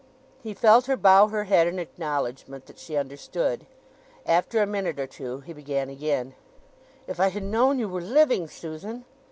He felt her bow her head in acknowledgment that she understood. After a minute or two he again began: "If I had known you were living, Susan!